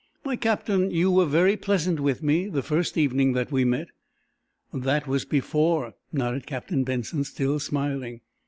"My Captain, you were very pleasant with me, the first evening that we met." "That was before," nodded Captain Benson, still smiling.